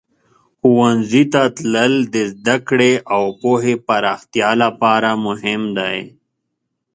ښوونځي ته تلل د زده کړې او پوهې پراختیا لپاره مهم دی.